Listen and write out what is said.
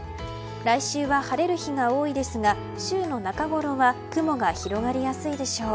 来週は晴れる日が多いですが週の中ごろは雲が広がりやすいでしょう。